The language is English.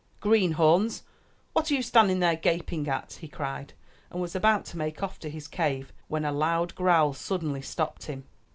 ''Greenhorns ! What are you standing there gaping at?" he cried, and was about to make off to his cave when a loud growl suddenly stopped him.